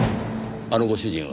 あのご主人は。